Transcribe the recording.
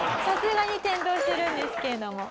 さすがに転倒してるんですけれども。